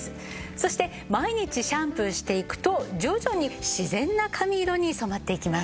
そして毎日シャンプーしていくと徐々に自然な髪色に染まっていきます。